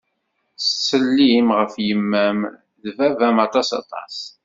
Ttsellim ɣef yemma-m d baba-m aṭas aṭas.